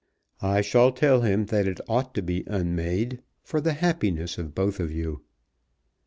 "I shall tell him that it ought to be unmade, for the happiness of both of you."